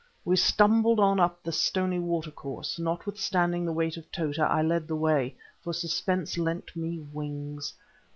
We stumbled on up the stony watercourse; notwithstanding the weight of Tota I led the way, for suspense lent me wings.